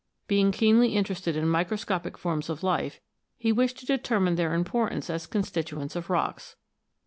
Being keenly interested in microscopic forms of life, he wished to determine their importance as constituents of rocks.